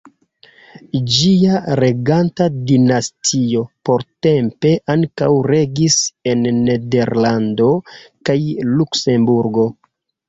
Ĝia reganta dinastio portempe ankaŭ regis en Nederlando kaj Luksemburgo.